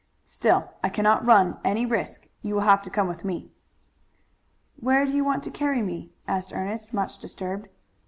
"Still I cannot run any risk. You will have to come with me." "Where do you want to carry me?" asked Ernest, much disturbed.